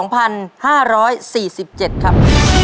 ตัวเลือกที่๒พศ๒๕๔๗ครับ